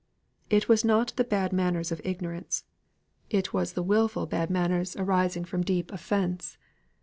It was not the bad manners of ignorance; it was the wilful bad manners arising from deep offence.